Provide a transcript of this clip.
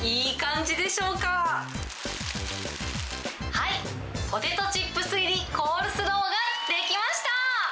はい、ポテトチップス入りコールスローが出来ました。